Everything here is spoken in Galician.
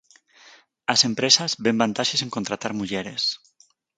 As empresas ven vantaxes en contratar mulleres.